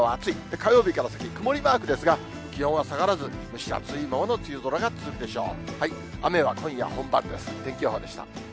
火曜日から先、曇りマークですが、気温は下がらず、蒸し暑いままの梅雨空が続くでしょう。